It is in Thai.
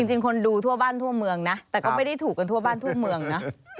จริงคนดูทั่วบ้านทั่วเมืองนะแต่ก็ไม่ได้ถูกกันทั่วบ้านทั่วเมืองนะ